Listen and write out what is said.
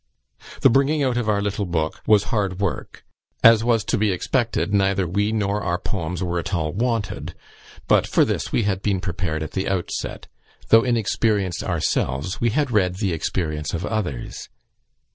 The bringing out of our little book was hard work. As was to be expected, neither we nor our poems were at all wanted; but for this we had been prepared at the outset; though inexperienced ourselves, we had read the experience of others.